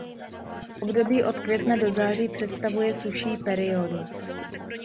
Období od května do září představuje sušší periodu.